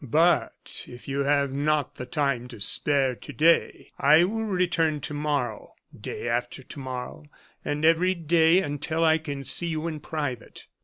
But if you have not the time to spare to day, I will return to morrow day after to morrow and every day until I can see you in private."